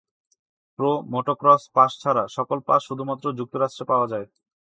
Pro motocross pass ছাড়া সকল pass শুধুমাত্র যুক্তরাষ্ট্রে পাওয়া যায়।